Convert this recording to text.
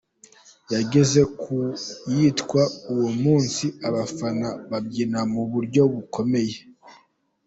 Yageze ku yitwa ’Uwo munsi’ abafana babyina mu buryo bukomeye.